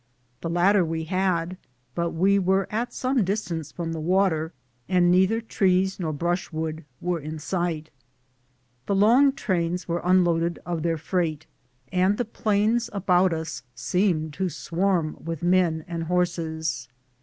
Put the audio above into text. The latter we had, but we were at some distance from the water, and neither trees nor brushwood were in sight. The long trains were unloaded of their freight, and the plains about us seemed to swarm with men and horses.